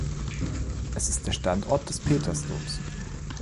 Es ist der Standort des Petersdoms.